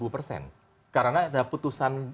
seribu persen karena ada putusan